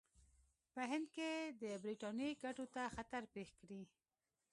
په هند کې د برټانیې ګټو ته خطر پېښ کړي.